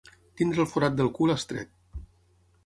Tenir el forat del cul estret.